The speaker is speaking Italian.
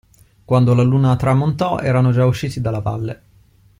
Quando la Luna tramontò erano già usciti dalla valle.